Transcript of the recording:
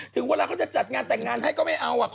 ถึงเวลาเขาจะจัดงานแต่งงานให้ก็ไม่เอา